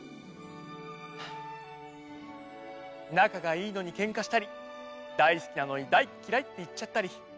なかがいいのにケンカしたりだいすきなのに「だいきらい」っていっちゃったり。